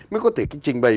mới có thể trình bày